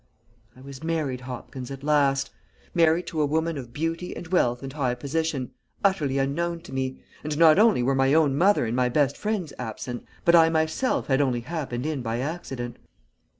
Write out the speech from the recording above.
"I was married, Hopkins, at last. Married to a woman of beauty and wealth and high position, utterly unknown to me, and not only were my own mother and my best friends absent, but I myself had only happened in by accident.